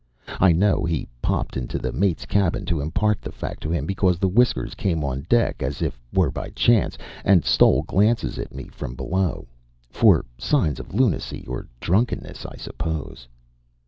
I know he popped into the mate's cabin to impart the fact to him because the whiskers came on deck, as it were by chance, and stole glances at me from below for signs of lunacy or drunkenness, I suppose.